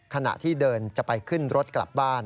ขณะที่เดินจะไปขึ้นรถกลับบ้าน